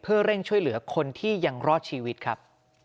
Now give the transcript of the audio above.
เพื่อเร่งช่วยเหลือคนที่ยังรอดชีวิตครับ